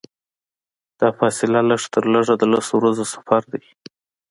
دا فاصله لږترلږه د لسو ورځو سفر دی.